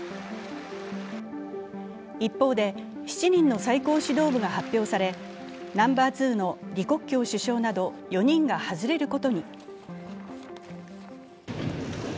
一方で７人の最高指導部が発表されナンバー２の李克強首相など４人が外れることに。